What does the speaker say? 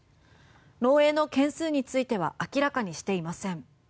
漏えいの件数については明らかにしていません。